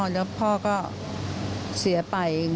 แล้วพ่อก็เสียไป